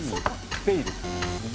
スペイル。